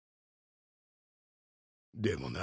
でもな